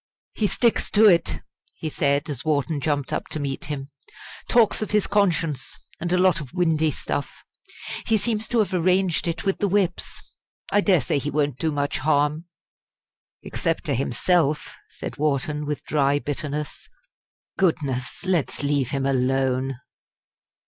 "He sticks to it," he said, as Wharton jumped up to meet him. "Talks of his conscience and a lot of windy stuff. He seems to have arranged it with the Whips. I dare say he won't do much harm." "Except to himself," said Wharton, with dry bitterness. "Goodness! let's leave him alone!"